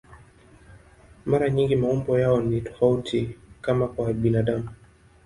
Mara nyingi maumbo yao ni tofauti, kama kwa binadamu.